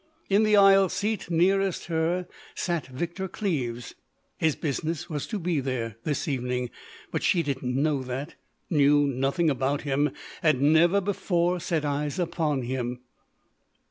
In the aisle seat nearest her sat Victor Cleves. His business was to be there that evening. But she didn't know that, knew nothing about him—had never before set eyes on him.